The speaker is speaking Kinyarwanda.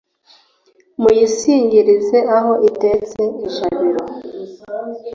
muyisingirize aho itetse ijabiro